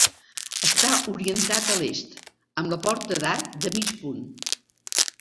Està orientat a l'est, amb la porta d'arc de mig punt.